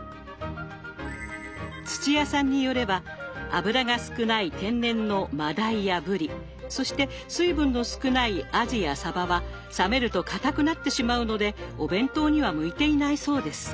土屋さんによれば脂が少ない天然のマダイやブリそして水分の少ないアジやサバは冷めると固くなってしまうのでお弁当には向いていないそうです。